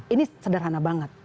ini sederhana banget